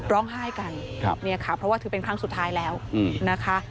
ร้องไห้กันเนี่ยค่ะเพราะว่าถือเป็นครั้งสุดท้ายแล้วนะคะ